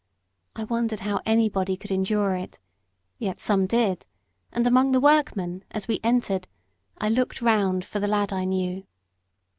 I wondered how anybody could endure it yet some did; and among the workmen, as we entered, I looked round for the lad I knew.